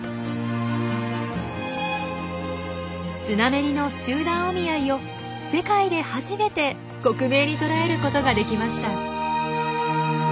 スナメリの集団お見合いを世界で初めて克明に捉えることができました。